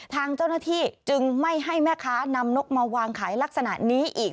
ทางเจ้าหน้าที่จึงไม่ให้แม่ค้านำนกมาวางขายลักษณะนี้อีก